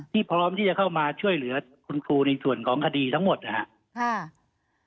พร้อมที่จะเข้ามาช่วยเหลือคุณครูในส่วนของคดีทั้งหมดนะครับ